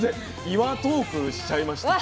「岩トーク」しちゃいました。